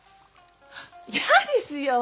嫌ですよ！